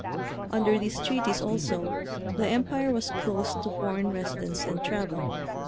Under these treaties, also, the Empire was closed to foreign residence and travel.